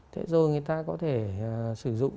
thế rồi người ta có thể sử dụng